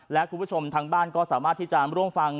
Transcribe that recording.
และคุณผู้ชมทางบ้านก็สามารถที่จะร่วมฟัง